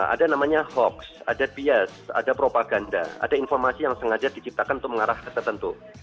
ada namanya hoax ada bias ada propaganda ada informasi yang sengaja diciptakan untuk mengarah ke tertentu